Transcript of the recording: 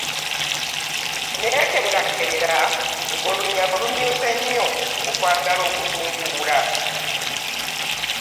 Nneekeberakebera nga olunyago lumyuse nnyo okwagala okulunguula.